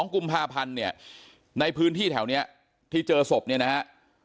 ๒กุมภาพันธ์เนี่ยในพื้นที่แถวนี้ที่เจอศพเนี่ยนะฮะ